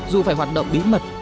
dù phải hoạt động bí mật